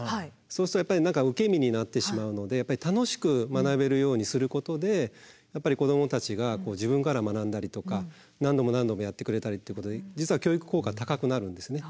そうすると受け身になってしまうのでやっぱり楽しく学べるようにすることで子どもたちが自分から学んだりとか何度も何度もやってくれたりってことで実は教育効果高くなるんですね。